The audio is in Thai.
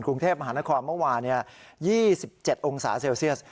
กรุงเทพมหานครเมื่อวาน๒๗องศาเซลเซียส